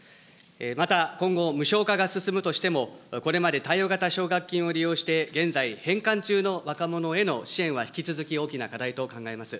また今後、無償化が進むとしても、これまで貸与型奨学金を利用して、現在、返還中の若者への支援は引き続き大きな課題と考えます。